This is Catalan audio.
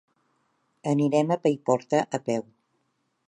Anirem a Paiporta a peu.